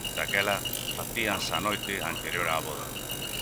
Daquela facíanse a noite anterior a voda.